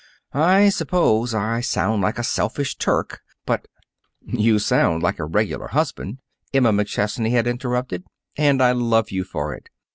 I suppose I sound like a selfish Turk, but " "You sound like a regular husband," Emma McChesney had interrupted, "and I love you for it.